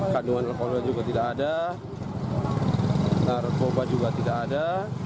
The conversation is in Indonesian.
kandungan alkoholder juga tidak ada narkoba juga tidak ada